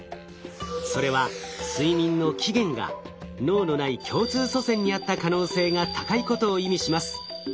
それは睡眠の起源が脳のない共通祖先にあった可能性が高いことを意味します。